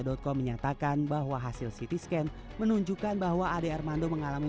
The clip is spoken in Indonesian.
com menyatakan bahwa hasil ct scan menunjukkan bahwa ade armando mengalami